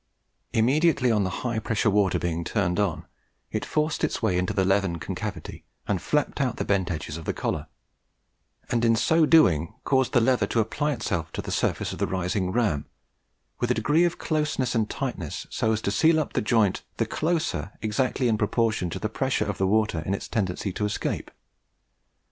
Immediately on the high pressure water being turned on, it forced its way into the leathern concavity and 'flapped out' the bent edges of the collar; and, in so doing, caused the leather to apply itself to the surface of the rising ram with a degree of closeness and tightness so as to seal up the joint the closer exactly in proportion to the pressure of the water in its tendency to escape.